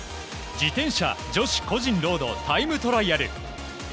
自転車女子個人ロードタイムトライアル。